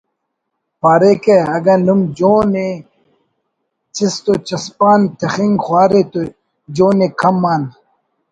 پاریکہ ”اگہ نم جون ءِ چست و چسپان تخنگ خوارے تو جون ءِ کم آن